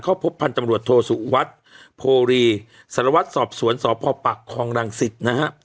เขาพบพันธุ์ตำรวจโทษสู่วัดโพรีสารวัตรสอบสวนสอบพ่อปักคองรังศิษย์นะฮะ